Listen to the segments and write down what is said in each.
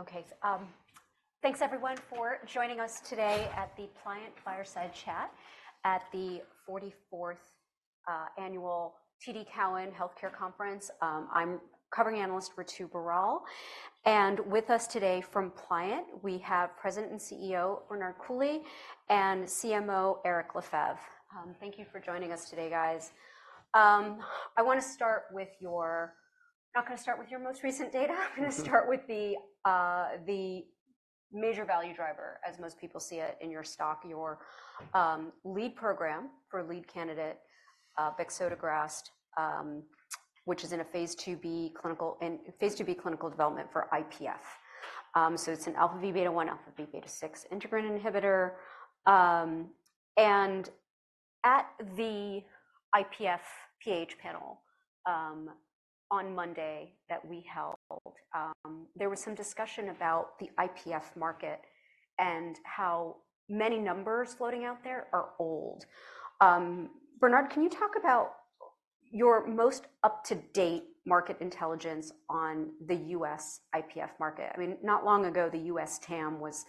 Okay, thanks everyone for joining us today at the Pliant Fireside Chat at the 44th annual TD Cowen Health Care Conference. I'm covering analyst Ritu Baral, and with us today from Pliant, we have President and CEO, Bernard Coulie, and CMO, Éric Lefebvre. Thank you for joining us today, guys. I want to start with your, not going to start with your most recent data. I'm going to start with the major value driver, as most people see it, in your stock, your lead program for lead candidate, bexotegrast, which is in a Phase IIb clinical, in Phase IIb clinical development for IPF. So it's an alpha V beta 1, alpha V beta 6 integrin inhibitor. At the IPF PH panel on Monday that we held, there was some discussion about the IPF market and how many numbers floating out there are old. Bernard, can you talk about your most up-to-date market intelligence on the US IPF market? I mean, not long ago, the US TAM was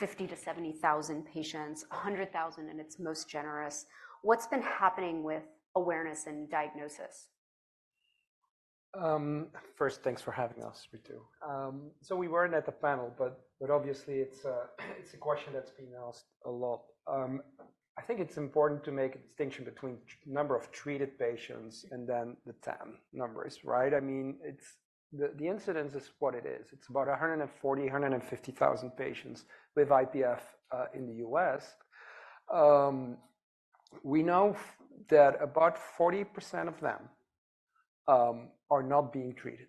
50,000-70,000 patients, 100,000 in its most generous. What's been happening with awareness and diagnosis? First, thanks for having us, Ritu. So we weren't at the panel, but obviously it's a question that's been asked a lot. I think it's important to make a distinction between number of treated patients and then the TAM numbers, right? I mean, it's the incidence is what it is. It's about 140, 150 thousand patients with IPF in the U.S. We know that about 40% of them are not being treated.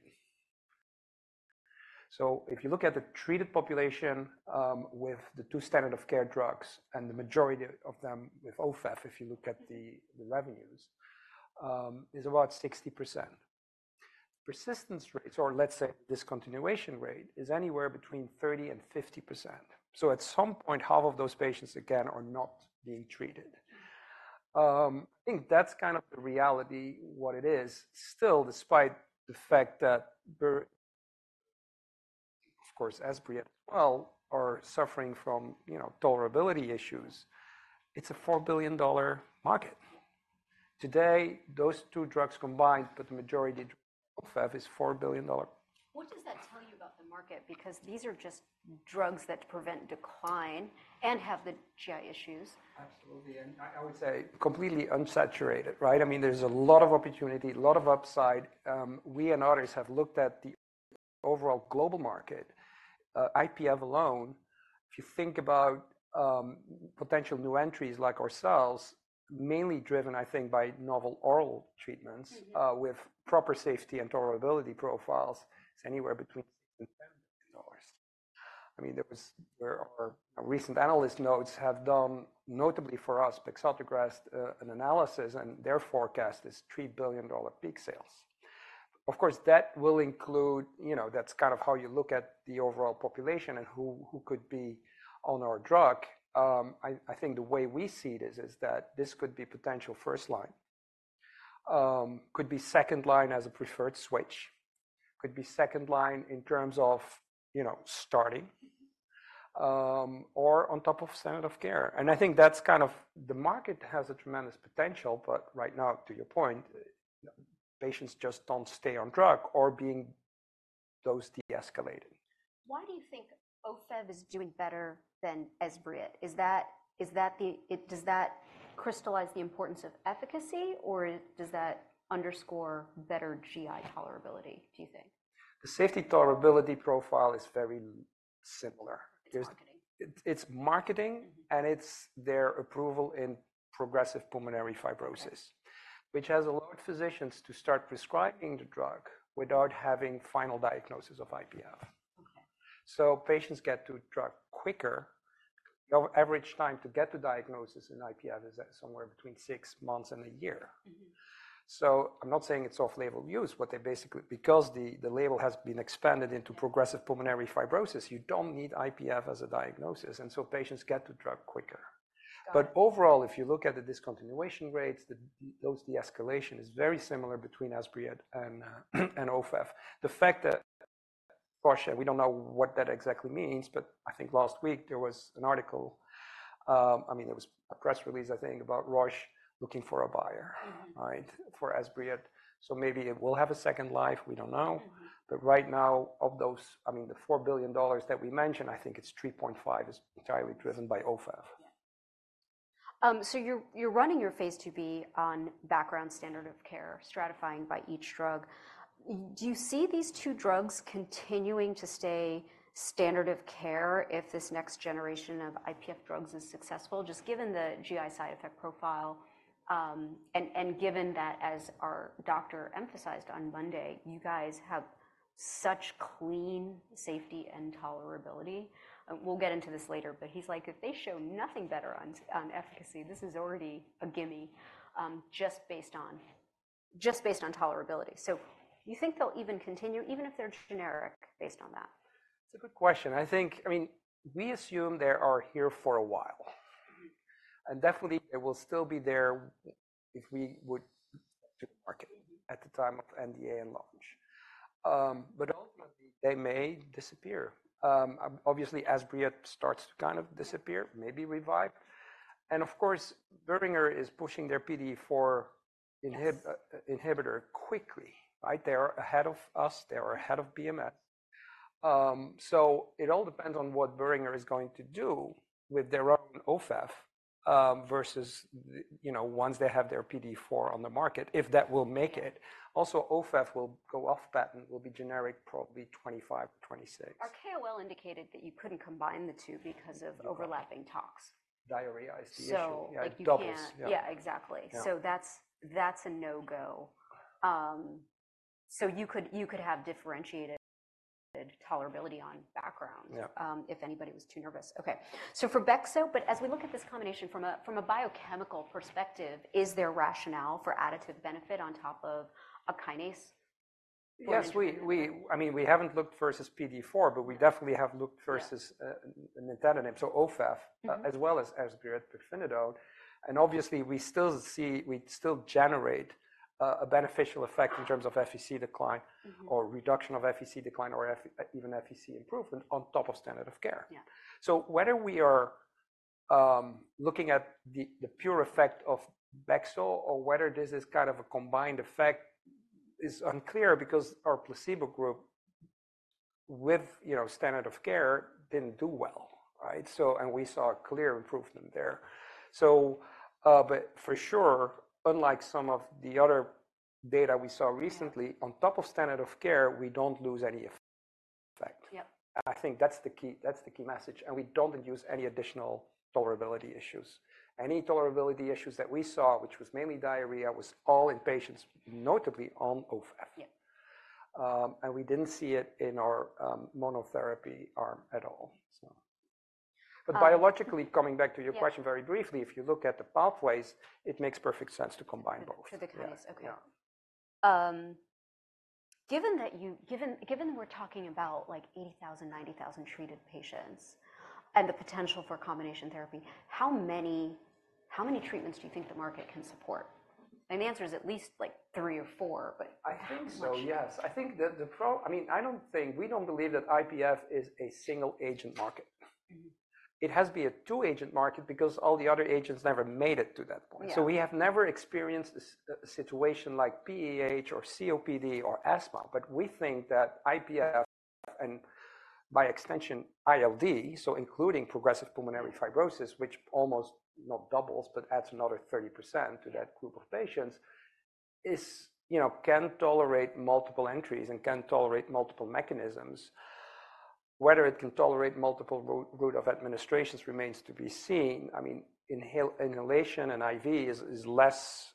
So if you look at the treated population with the two standard-of-care drugs, and the majority of them with Ofev, if you look at the revenues is about 60%. Persistence rates, or let's say, discontinuation rate, is anywhere between 30% and 50%. So at some point, half of those patients, again, are not being treated. I think that's kind of the reality, what it is. Still, despite the fact that, of course, Esbriet as well, are suffering from, you know, tolerability issues, it's a $4 billion market. Today, those two drugs combined, but the majority Ofev, is $4 billion. What does that tell you about the market? Because these are just drugs that prevent decline and have the GI issues. Absolutely, and I would say completely unsaturated, right? I mean, there's a lot of opportunity, a lot of upside. We and others have looked at the overall global market. IPF alone, if you think about, potential new entries like ourselves, mainly driven, I think, by novel oral treatments- Mm-hmm... with proper safety and tolerability profiles, it's anywhere between $6 billion-$10 billion. I mean, recent analyst notes have done, notably for us, bexotegrast, an analysis, and their forecast is $3 billion peak sales. Of course, that will include, you know, that's kind of how you look at the overall population and who could be on our drug. I think the way we see this is that this could be potential first line. Could be second line as a preferred switch, could be second line in terms of, you know, starting, or on top of standard of care. And I think that's kind of... The market has a tremendous potential, but right now, to your point, patients just don't stay on drug or being dose deescalated. Why do you think Ofev is doing better than Esbriet? Does that crystallize the importance of efficacy, or does that underscore better GI tolerability, do you think? The safety tolerability profile is very similar. It's marketing. It's marketing- Mm-hmm... and it's their approval in progressive pulmonary fibrosis- Right... which has allowed physicians to start prescribing the drug without having final diagnosis of IPF. Okay. So patients get to drug quicker. The average time to get the diagnosis in IPF is somewhere between six months and a year. Mm-hmm. So I'm not saying it's off-label use, but they basically, because the label has been expanded into Progressive Pulmonary Fibrosis, you don't need IPF as a diagnosis, and so patients get the drug quicker. Got it. But overall, if you look at the discontinuation rates, dose de-escalation is very similar between Esbriet and Ofev. The fact that Roche, we don't know what that exactly means, but I think last week there was an article. I mean, it was a press release, I think, about Roche looking for a buyer. Mm-hmm... right, for Esbriet. So maybe it will have a second life, we don't know. Mm-hmm. Right now, of those, I mean, the $4 billion that we mentioned, I think $3.5 billion is entirely driven by Ofev. Yeah. So you're running your Phase IIb on background standard of care, stratifying by each drug. Do you see these two drugs continuing to stay standard of care if this next generation of IPF drugs is successful, just given the GI side effect profile, and given that, as our doctor emphasized on Monday, you guys have such clean safety and tolerability? We'll get into this later, but he's like, "If they show nothing better on efficacy, this is already a gimme, just based on tolerability." So you think they'll even continue, even if they're generic, based on that? It's a good question. I think, I mean, we assume they are here for a while... and definitely it will still be there if we would to market at the time of NDA and launch. But ultimately, they may disappear. Obviously, as Esbriet starts to kind of disappear, maybe revive. And of course, Boehringer is pushing their PDE4 inhibitor quickly, right? They are ahead of us, they are ahead of BMS. So it all depends on what Boehringer is going to do with their own Ofev, versus, you know, once they have their PDE4 on the market, if that will make it. Also, Ofev will go off patent, will be generic probably 2025, 2026. Our KOL indicated that you couldn't combine the two because of overlapping talks. Diarrhea, I see the issue. So- Yeah, doubles. Yeah, exactly. Yeah. So that's, that's a no-go. So you could have differentiated tolerability on background- Yeah... if anybody was too nervous. Okay, so for Bexo, but as we look at this combination from a biochemical perspective, is there rationale for additive benefit on top of a kinase? Yes, I mean, we haven't looked versus PDE4, but we definitely have looked versus- Yeah... nintedanib, so Ofev, as well as, as pirfenidone. And obviously, we still see, we still generate, a beneficial effect in terms of FVC decline- Mm-hmm... or reduction of FVC decline, or even FVC improvement on top of standard of care. Yeah. So whether we are looking at the pure effect of Bexo or whether this is kind of a combined effect is unclear, because our placebo group with, you know, standard of care didn't do well, right? So and we saw a clear improvement there. So, but for sure, unlike some of the other data we saw recently, on top of standard of care, we don't lose any effect. Yeah. I think that's the key, that's the key message, and we don't induce any additional tolerability issues. Any tolerability issues that we saw, which was mainly diarrhea, was all in patients, notably on Ofev. Yeah. We didn't see it in our monotherapy arm at all, so. Um- But biologically, coming back to your question- Yeah... very briefly, if you look at the pathways, it makes perfect sense to combine both. For the kinase. Yeah. Okay. Given that we're talking about like 80,000, 90,000 treated patients and the potential for combination therapy, how many treatments do you think the market can support? And the answer is at least like 3 or 4, but- I think so. How much? Yes. I think, I mean, I don't think, we don't believe that IPF is a single-agent market. It has to be a two-agent market because all the other agents never made it to that point. Yeah. So we have never experienced a situation like PAH or COPD or asthma, but we think that IPF, and by extension, ILD, so including progressive pulmonary fibrosis, which almost, not doubles, but adds another 30% to that group of patients, is, you know, can tolerate multiple entries and can tolerate multiple mechanisms. Whether it can tolerate multiple route of administrations remains to be seen. I mean, inhale, inhalation and IV is less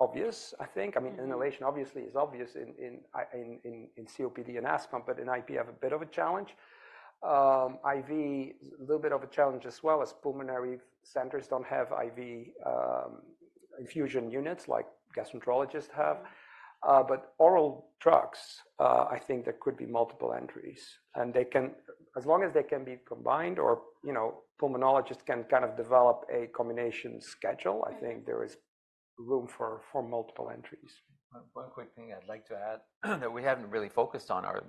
obvious, I think. Mm-hmm. I mean, inhalation obviously is obvious in COPD and asthma, but in IPF, a bit of a challenge. IV, little bit of a challenge as well, as pulmonary centers don't have IV, infusion units like gastroenterologists have. Mm-hmm. But oral drugs, I think there could be multiple entries, and they can, as long as they can be combined or, you know, pulmonologists can kind of develop a combination schedule- Yeah... I think there is room for multiple entries. One quick thing I'd like to add, that we haven't really focused on are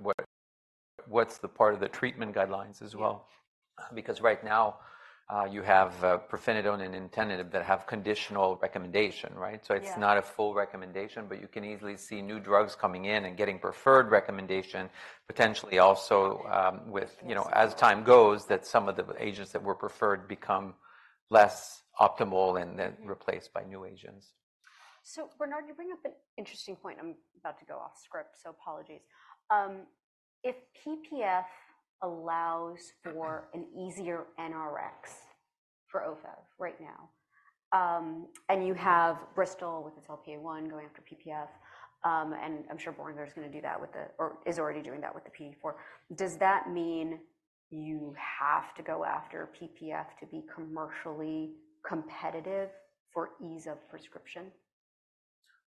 what's the part of the treatment guidelines as well. Yeah. Because right now, you have pirfenidone and nintedanib that have conditional recommendation, right? Yeah. It's not a full recommendation, but you can easily see new drugs coming in and getting preferred recommendation, potentially also, with- Yes... you know, as time goes, that some of the agents that were preferred become less optimal and then- Mm... replaced by new agents. So, Bernard, you bring up an interesting point. I'm about to go off script, so apologies. If PPF allows for an easier NRx for Ofev right now, and you have Bristol with its LPA1 going after PPF, and I'm sure Boehringer is going to do that with the... or is already doing that with the PDE4, does that mean you have to go after PPF to be commercially competitive for ease of prescription?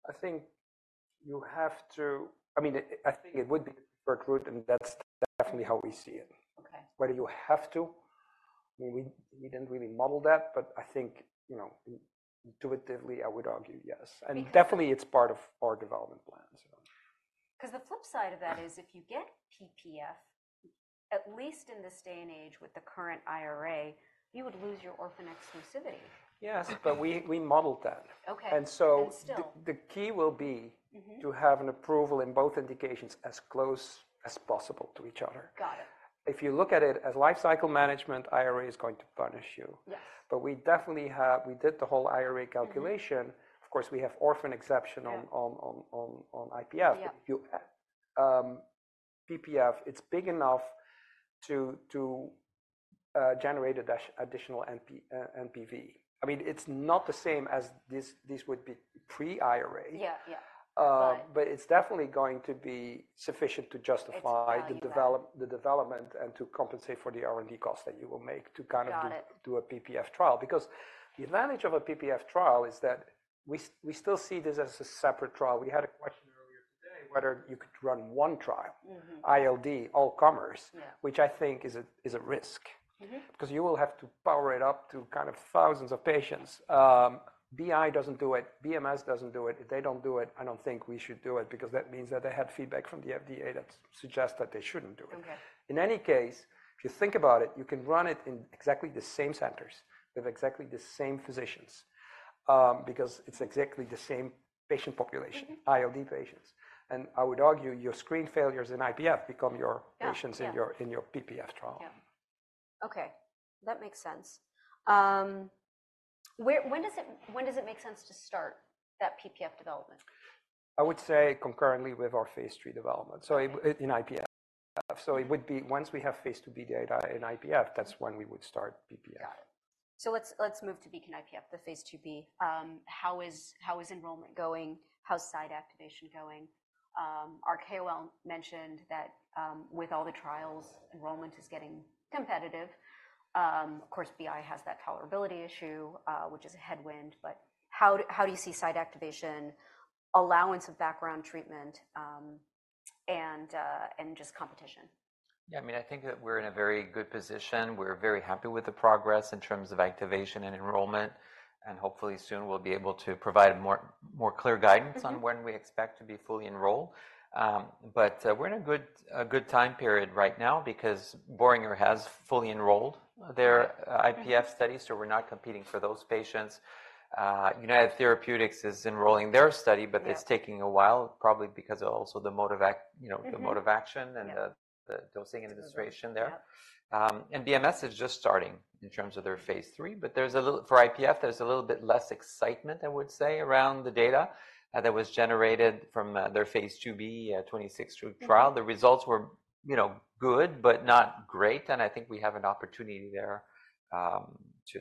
I think you have to, I mean, I think it would be for approved, and that's definitely how we see it. Okay. Whether you have to, I mean, we didn't really model that, but I think, you know, intuitively, I would argue yes. I mean- Definitely, it's part of our development plan, so. 'Cause the flip side of that is if you get PPF, at least in this day and age with the current IRA, you would lose your orphan exclusivity. Yes, but we modeled that. Okay. And so- And still... the key will be- Mm-hmm... to have an approval in both indications as close as possible to each other. Got it. If you look at it as life cycle management, IRA is going to punish you. Yes. But we definitely have. We did the whole IRA calculation. Mm-hmm. Of course, we have orphan exception on- Yeah... on IPF. Yeah. PPF, it's big enough to generate additional NPV. I mean, it's not the same as this. This would be pre-IRA. Yeah. Yeah, but- But it's definitely going to be sufficient to justify- It's enough... the development and to compensate for the R&D costs that you will make to kind of do- Got it... do a PPF trial. Because the advantage of a PPF trial is that we, we still see this as a separate trial. We had a question re-... whether you could run one trial- Mm-hmm. ILD, all comers. Yeah. Which I think is a risk. Mm-hmm. Because you will have to power it up to kind of thousands of patients. BI doesn't do it, BMS doesn't do it. If they don't do it, I don't think we should do it, because that means that they had feedback from the FDA that suggests that they shouldn't do it. Okay. In any case, if you think about it, you can run it in exactly the same centers, with exactly the same physicians, because it's exactly the same patient population- Mm-hmm... ILD patients. And I would argue, your screen failures in IPF become your- Yeah, yeah... patients in your PPF trial. Yeah. Okay, that makes sense. Where, when does it make sense to start that PPF development? I would say concurrently with our phase 3 development. Okay. So in IPF. It would be once we have phase 2b data in IPF, that's when we would start PPF. Yeah. So let's move to BEACON-IPF, the phase 2b. How is enrollment going? How's site activation going? Our KOL mentioned that with all the trials, enrollment is getting competitive. Of course, BI has that tolerability issue, which is a headwind, but how do you see site activation, allowance of background treatment, and just competition? Yeah, I mean, I think that we're in a very good position. We're very happy with the progress in terms of activation and enrollment, and hopefully soon we'll be able to provide more, more clear guidance- Mm-hmm... on when we expect to be fully enrolled. But we're in a good time period right now because Boehringer has fully enrolled their- Right... IPF study, so we're not competing for those patients. United Therapeutics is enrolling their study- Yeah... but it's taking a while, probably because of also the mode of ac, you know- Mm-hmm... the mode of action, and the- Yeah... the dosing administration there. Yeah. And BMS is just starting in terms of their phase III, but for IPF, there's a little bit less excitement, I would say, around the data that was generated from their phase IIb 26-week trial. Mm-hmm. The results were, you know, good but not great, and I think we have an opportunity there,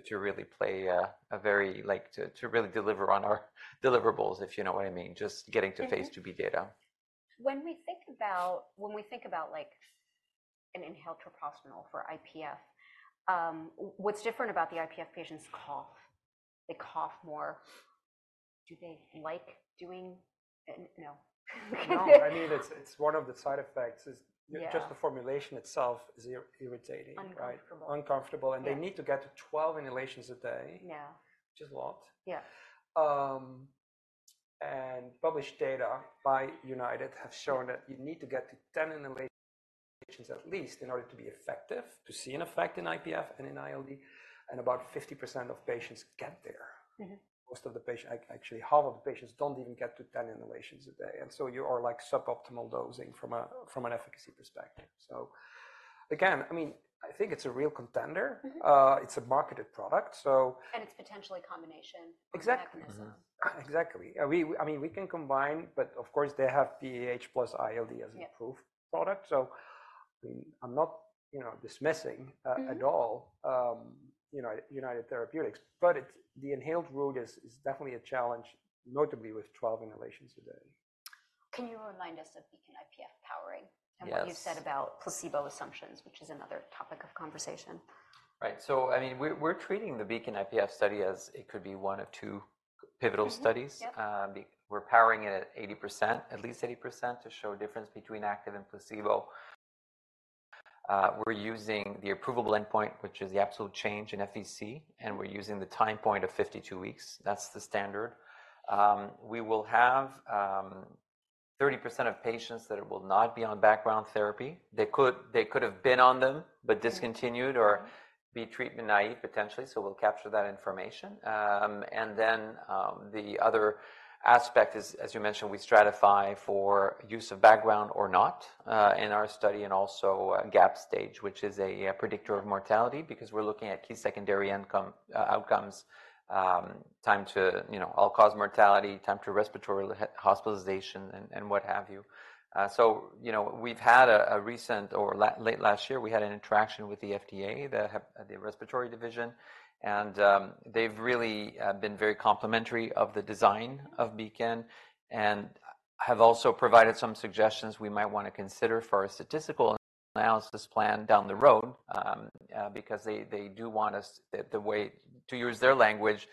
to really play a very like, to really deliver on our deliverables, if you know what I mean. Just getting to- Mm-hmm... Phase IIb data. When we think about, like, an inhaled treprostinil for IPF, what's different about the IPF patient's cough? They cough more. Do they like doing... no. No, I mean, it's, it's one of the side effects is- Yeah... just the formulation itself is irritating. Uncomfortable. Uncomfortable, and- Yeah... they need to get to 12 inhalations a day. Yeah. Which is a lot. Yeah. And published data by United have shown that you need to get to 10 inhalations at least in order to be effective, to see an effect in IPF and in ILD, and about 50% of patients get there. Mm-hmm. Most of the patients, actually, half of the patients don't even get to 10 inhalations a day, and so you are, like, suboptimal dosing from an efficacy perspective. So again, I mean, I think it's a real contender. Mm-hmm. It's a marketed product, so- It's potentially combination- Exactly. Mm-hmm Mechanism. Exactly. We, I mean, we can combine, but of course, they have PAH plus ILD as- Yeah... an approved product. So, I'm not, you know, dismissing- Mm-hmm... at all, United Therapeutics, but it's the inhaled route is definitely a challenge, notably with 12 inhalations a day. Can you remind us of BEACON-IPF powering? Yes. What you said about placebo assumptions, which is another topic of conversation. Right. So, I mean, we're treating the BEACON-IPF study as it could be one of two pivotal studies. Mm-hmm. Yep. We're powering it at 80%, at least 80%, to show difference between active and placebo. We're using the approvable endpoint, which is the absolute change in FVC, and we're using the time point of 52 weeks. That's the standard. We will have 30% of patients that will not be on background therapy. They could, they could have been on them, but discontinued- Mm-hmm... or be treatment naive, potentially, so we'll capture that information. And then, the other aspect is, as you mentioned, we stratify for use of background or not, in our study, and also, GAP stage, which is a predictor of mortality because we're looking at key secondary endpoints, outcomes, time to, you know, all-cause mortality, time to respiratory hospitalization, and what have you. So, you know, we've had a recent, or late last year, we had an interaction with the FDA, the respiratory division, and they've really been very complimentary of the design of Beacon, and have also provided some suggestions we might want to consider for our statistical analysis plan down the road. Because they, they do want us, the way—to use their language,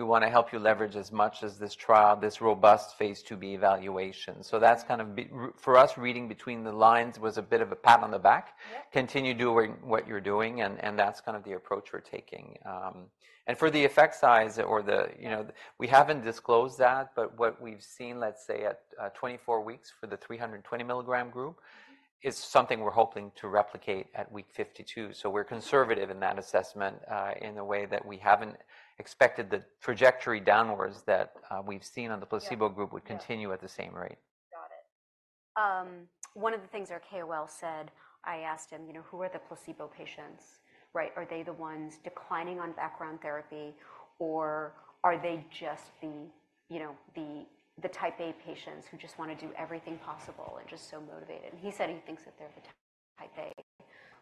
"We want to help you leverage as much as this trial, this robust phase 2b evaluation." So that's kind of, for us, reading between the lines was a bit of a pat on the back. Yeah. Continue doing what you're doing, and that's kind of the approach we're taking. And for the effect size or the, you know- Yeah... we haven't disclosed that, but what we've seen, let's say, at, 24 weeks for the 320 milligram group- Mm-hmm... is something we're hoping to replicate at week 52. So we're conservative in that assessment, in the way that we haven't expected the trajectory downwards that, we've seen on the placebo- Yeah... group would continue at the same rate. Got it. One of the things our KOL said, I asked him, you know, "Who are the placebo patients?" Right? Are they the ones declining on background therapy, or are they just the, you know, the type A patients who just want to do everything possible and just so motivated? And he said he thinks that they're the type A....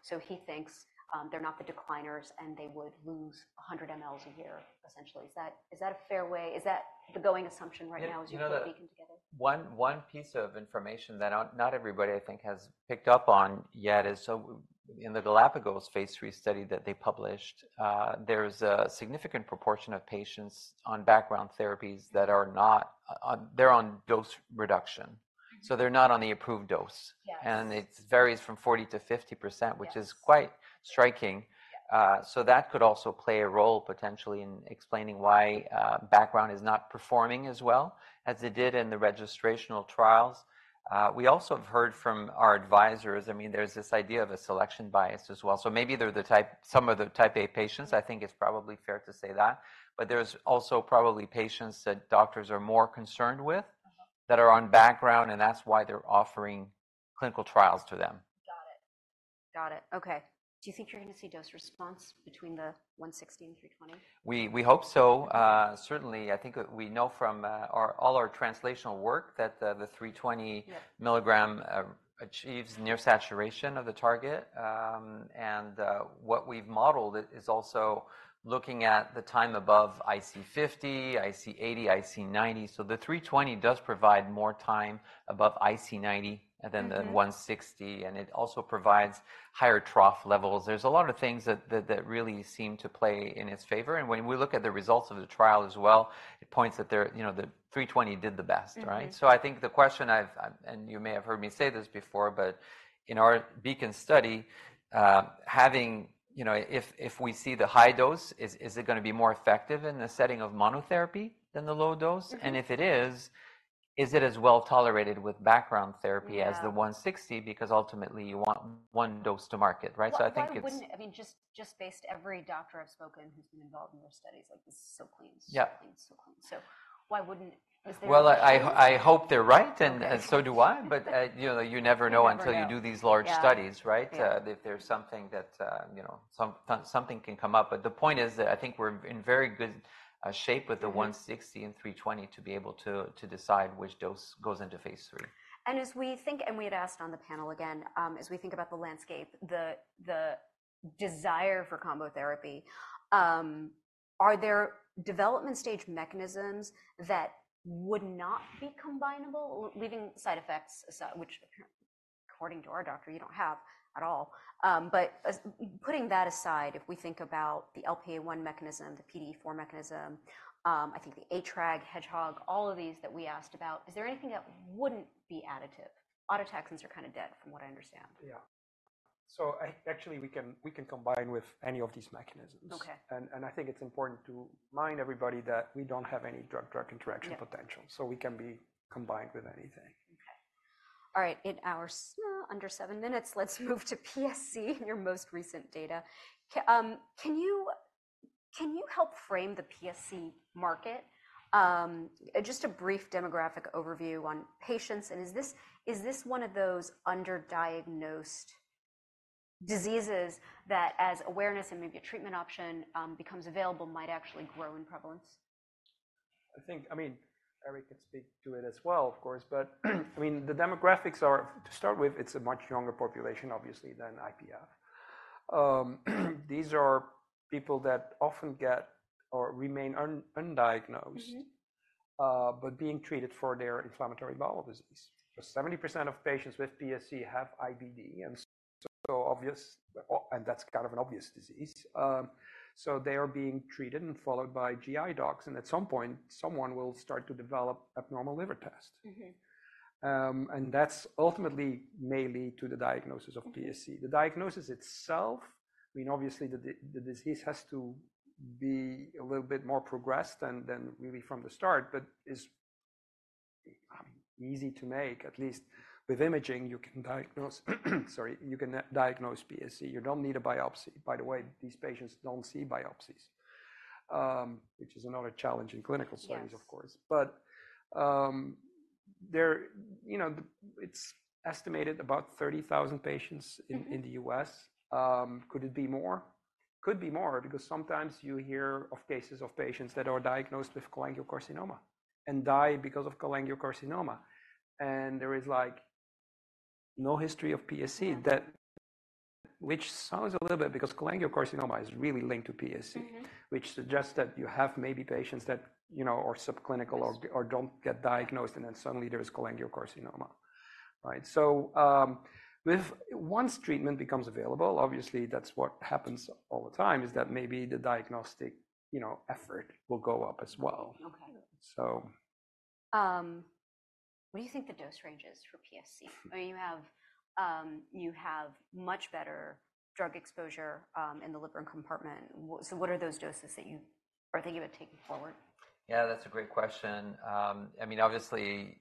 So he thinks, they're not the decliners, and they would lose 100 mL's a year, essentially. Is that, is that a fair way? Is that the going assumption right now as you put Beacon together? One piece of information that not everybody, I think, has picked up on yet is, so in the Galapagos Phase III study that they published, there's a significant proportion of patients on background therapies that are not on—they're on dose reduction. Mm-hmm. They're not on the approved dose. Yes. It varies from 40%-50%. Yes... which is quite striking. Yeah. So that could also play a role, potentially, in explaining why background is not performing as well as it did in the registrational trials. We also have heard from our advisors, I mean, there's this idea of a selection bias as well. So maybe they're the type, some of the type A patients, I think it's probably fair to say that, but there's also probably patients that doctors are more concerned with- Uh-huh... that are on background, and that's why they're offering clinical trials to them. Got it. Got it. Okay. Do you think you're going to see dose response between the 160 and 320? We hope so. Certainly, I think we know from all our translational work that the 320- Yeah... milligram achieves near saturation of the target. And what we've modeled is also looking at the time above IC 50, IC 80, IC 90. So the 320 does provide more time above IC 90 than- Mm-hmm... the 160, and it also provides higher trough levels. There's a lot of things that really seem to play in its favor, and when we look at the results of the trial as well, it points that there, you know, the 320 did the best, right? Mm-hmm. So I think the question I've and you may have heard me say this before, but in our BEACON study, you know, if we see the high dose, is it gonna be more effective in the setting of monotherapy than the low dose? Mm-hmm. If it is, is it as well tolerated with background therapy as- Yeah... the 160? Because ultimately you want one dose to market, right? So I think it's- Why wouldn't, I mean, just based on every doctor I've spoken to who's been involved in your studies, like, this is so clean. Yeah. It's so clean. So why wouldn't it? Is there- Well, I hope they're right, and- Okay... and so do I. But, you know, you never know- You never know.... until you do these large studies, right? Yeah. If there's something that, you know, something can come up. But the point is that I think we're in very good shape with the 160 and 320 to be able to decide which dose goes into phase 3. And as we think, and we had asked on the panel again, as we think about the landscape, the desire for combo therapy, are there development stage mechanisms that would not be combinable, or leaving side effects aside, which, according to our doctor, you don't have at all. But as putting that aside, if we think about the LPA1 mechanism, the PDE4 mechanism, I think the Hedgehog, all of these that we asked about, is there anything that wouldn't be additive? Autotaxins are kind of dead, from what I understand. Yeah. So I, actually we can, we can combine with any of these mechanisms. Okay. And, I think it's important to remind everybody that we don't have any drug-drug interaction potential- Yeah... so we can be combined with anything. Okay. All right, in our under seven minutes, let's move to PSC, your most recent data. Can you, can you help frame the PSC market? Just a brief demographic overview on patients, and is this, is this one of those underdiagnosed diseases that, as awareness and maybe a treatment option, becomes available, might actually grow in prevalence? I think, I mean, Éric can speak to it as well, of course, but, I mean, the demographics are, to start with, it's a much younger population, obviously, than IPF. These are people that often get or remain undiagnosed- Mm-hmm... but being treated for their inflammatory bowel disease. 70% of patients with PSC have IBD, and so obvious, and that's kind of an obvious disease. So they are being treated and followed by GI docs, and at some point, someone will start to develop abnormal liver tests. Mm-hmm. And that ultimately may lead to the diagnosis of PSC. Okay. The diagnosis itself, I mean, obviously, the disease has to be a little bit more progressed than really from the start, but is easy to make, at least with imaging, you can diagnose, sorry, you can diagnose PSC. You don't need a biopsy. By the way, these patients don't see biopsies, which is another challenge in clinical settings. Yes... of course. But, there, you know, it's estimated about 30,000 patients in the U.S. Could it be more? Could be more, because sometimes you hear of cases of patients that are diagnosed with cholangiocarcinoma, and die because of cholangiocarcinoma. And there is, like, no history of PSC- Yeah ...that, which sounds a little bit, because cholangiocarcinoma is really linked to PSC- Mm-hmm... which suggests that you have maybe patients that, you know, are subclinical- Yes... or don't get diagnosed, and then suddenly there is cholangiocarcinoma. Right. So, with once treatment becomes available, obviously, that's what happens all the time, is that maybe the diagnostic, you know, effort will go up as well. Okay. So... What do you think the dose range is for PSC? I mean, you have, you have much better drug exposure, in the liver compartment. What, so what are those doses that you are thinking about taking forward? Yeah, that's a great question. I mean, obviously,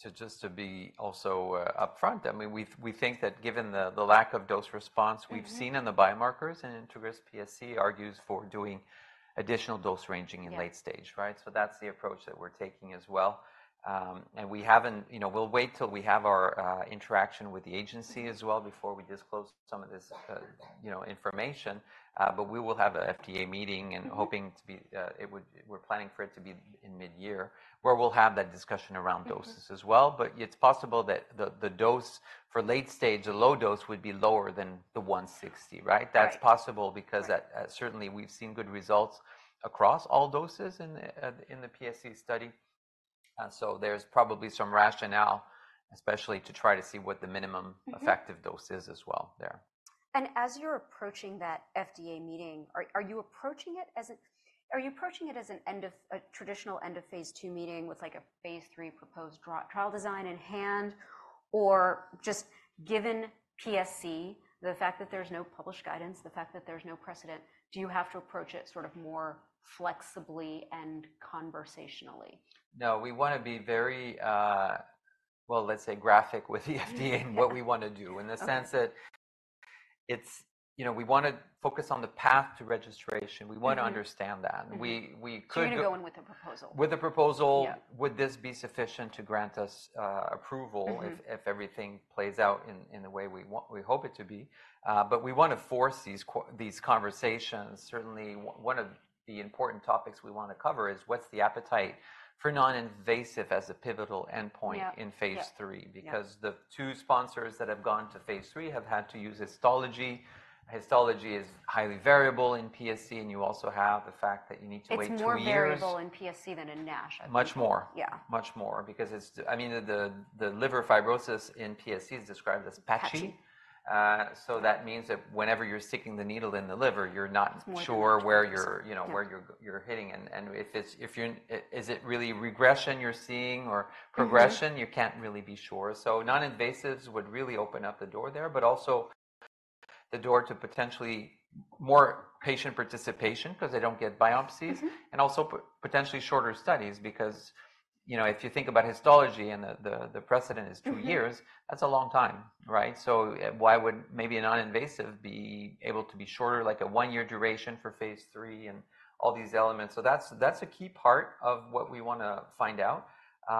to be upfront, I mean, we think that given the lack of dose response we've seen. Mm-hmm... in the biomarkers and INTEGRIS-PSC argues for doing additional dose ranging in late stage. Yeah. Right? So that's the approach that we're taking as well. And we haven't, you know, we'll wait till we have our interaction with the agency as well before we disclose some of this, you know, information, but we will have an FDA meeting and hoping to be, we're planning for it to be in mid-year, where we'll have that discussion around doses as well. Mm-hmm. But it's possible that the dose for late stage, a low dose would be lower than the 160, right? Right. That's possible because, certainly, we've seen good results across all doses in the PSC study. So there's probably some rationale, especially to try to see what the minimum- Mm-hmm... effective dose is as well there. As you're approaching that FDA meeting, are you approaching it as an end of a traditional end of phase 2 meeting, with like a phase 3 proposed draft trial design in hand? Or just given PSC, the fact that there's no published guidance, the fact that there's no precedent, do you have to approach it sort of more flexibly and conversationally? No, we want to be very, well, let's say, graphic with the FDA and what we want to do- Okay... in the sense that it's, you know, we want to focus on the path to registration. Mm-hmm. We want to understand that. Mm-hmm. We could- You're going to go in with a proposal? With a proposal. Yeah. Would this be sufficient to grant us approval? Mm-hmm... if everything plays out in the way we want, we hope it to be? But we want to force these conversations. Certainly, one of the important topics we want to cover is what's the appetite for noninvasive as a pivotal endpoint- Yeah... in phase three? Yeah, yeah. Because the two sponsors that have gone to phase 3 have had to use histology. Histology is highly variable in PSC, and you also have the fact that you need to wait 2 years. It's more variable in PSC than in NASH, I think. Much more. Yeah. Much more because it's—I mean, the liver fibrosis in PSC is described as patchy. Patchy. So that means that whenever you're sticking the needle in the liver, you're not- It's more variable.... sure where you're, you know- Yeah... where you're hitting IPF. And is it really regression you're seeing or progression? Mm-hmm. You can't really be sure. So noninvasives would really open up the door there, but also the door to potentially more patient participation because they don't get biopsies. Mm-hmm. Also, potentially shorter studies because, you know, if you think about histology and the precedent is two years- Mm-hmm... that's a long time, right? So, why would maybe a noninvasive be able to be shorter, like a one-year duration for phase 3, and all these elements? So that's, that's a key part of what we want to find out.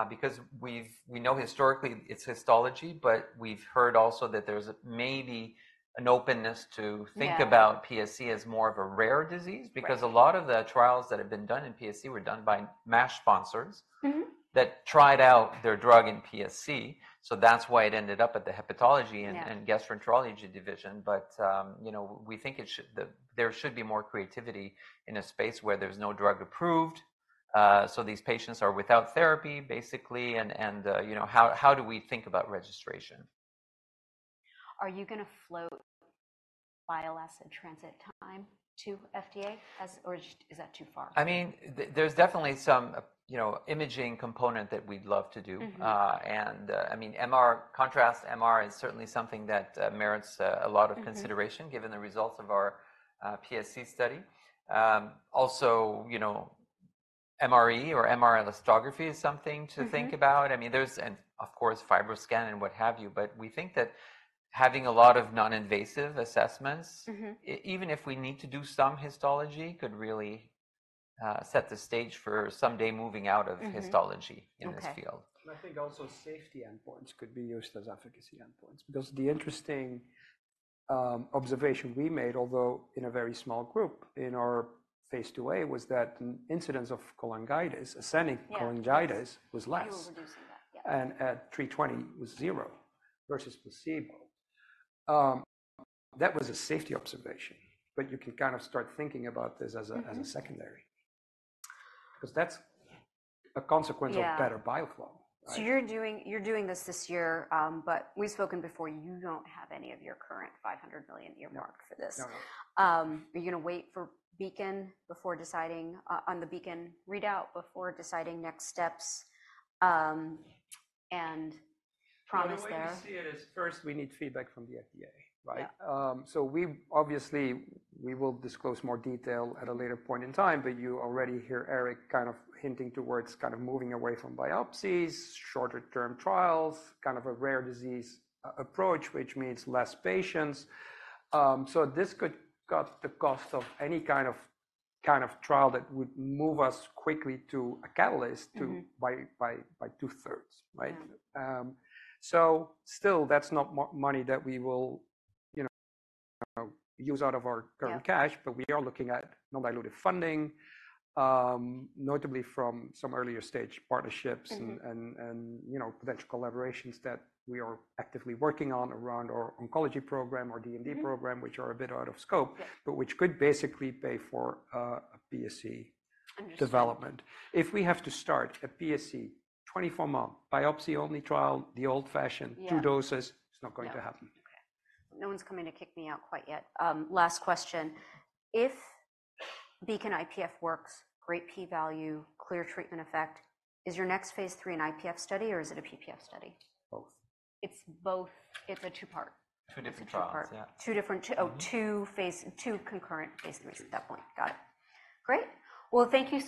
Because we know historically it's histology, but we've heard also that there's maybe an openness to- Yeah... think about PSC as more of a rare disease. Right. Because a lot of the trials that have been done in PSC were done by MASH sponsors- Mm-hmm ... that tried out their drug in PSC, so that's why it ended up at the Hepatology- Yeah... and Gastroenterology Division. But, you know, we think there should be more creativity in a space where there's no drug approved. So these patients are without therapy, basically, and you know, how do we think about registration? Are you going to file BLAs and NDAs in time to FDA, or is that too far? I mean, there's definitely some, you know, imaging component that we'd love to do. Mm-hmm. I mean, MR contrast, MR is certainly something that merits a lot of consideration- Mm-hmm... given the results of our PSC study. Also, you know, MRE or MR elastography is something to think about. Mm-hmm. I mean, there's, and of course, FibroScan and what have you, but we think that having a lot of noninvasive assessments- Mm-hmm... even if we need to do some histology, could really set the stage for someday moving out of histology- Mm-hmm... in this field. Okay. I think also safety endpoints could be used as efficacy endpoints. Because the interesting observation we made, although in a very small group in our phase 2a, was that the incidence of cholangitis, ascending cholangitis- Yeah, cholangitis... was less. You were reducing that, yeah. And at 3:20, it was zero versus placebo. That was a safety observation, but you can kind of start thinking about this as a- Mm-hmm... as a secondary, because that's a consequence of- Yeah... better bile flow, right? So you're doing this this year, but we've spoken before, you don't have any of your current $500 million earmarked for this. No. No, no. Are you going to wait for Beacon before deciding on the Beacon readout before deciding next steps, and PSC there? No, the way we see it is first we need feedback from the FDA, right? Yeah. So we obviously, we will disclose more detail at a later point in time, but you already hear Éric kind of hinting towards kind of moving away from biopsies, shorter-term trials, kind of a rare disease approach, which means less patients. So this could cut the cost of any kind of trial that would move us quickly to a catalyst. Mm-hmm... to by two-thirds, right? Yeah. So still, that's not money that we will, you know, use out of our current cash- Yeah... but we are looking at non-dilutive funding, notably from some earlier-stage partnerships- Mm-hmm... and, you know, potential collaborations that we are actively working on around our oncology program, our DMD program- Mm-hmm... which are a bit out of scope- Yeah... but which could basically pay for a PSC- Interesting... development. If we have to start a PSC 24-month biopsy-only trial, the old-fashioned- Yeah... two doses, it's not going to happen. Yeah. Okay. No one's coming to kick me out quite yet. Last question: If BEACON-IPF works, great p-value, clear treatment effect, is your next phase 3 an IPF study, or is it a PPF study? Both. It's both. It's a two-part. Two different trials. Two different part. Yeah. Two different, two- Mm-hmm... oh, two phase, 2 concurrent phase 3s at that point. Mm-hmm. Got it. Great! Well, thank you so-